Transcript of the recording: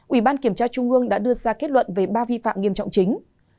ủy ban kiểm tra trung ương đã đưa ra kết luận về ba vi phạm nghiêm trọng chính